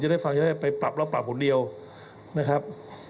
ได้ฟังจะได้ไปปรับแล้วปรับคนเดียวนะครับ